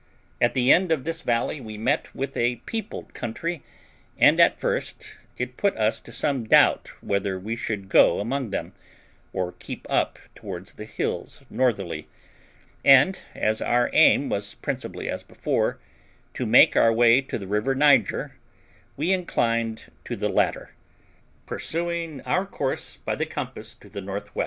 At the end of this valley we met with a peopled country, and at first it put us to some doubt whether we should go among them, or keep up towards the hills northerly; and as our aim was principally as before, to make our way to the river Niger, we inclined to the latter, pursuing our course by the compass to the N.W.